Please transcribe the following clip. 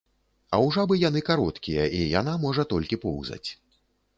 А ў жабы яны кароткія і яна можа толькі поўзаць.